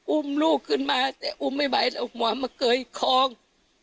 อุ้มลูกขึ้นมาแต่อุ้มไม่ไหวแล้วหัวมาเกยคลอง